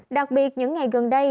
đặc biệt những ngày gần đây